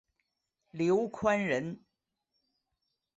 刘宽人。